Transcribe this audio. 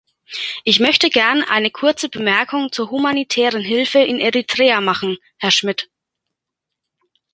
Ich möchte gern eine kurze Bemerkung zur humanitären Hilfe in Eritrea machen, Herr Schmidt.